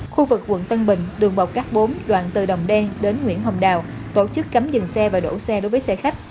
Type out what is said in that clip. khu vực quận tân bình đường bọc cát bốn đoạn từ đồng đen đến nguyễn hồng đào tổ chức cấm dừng xe và đổ xe đối với xe khách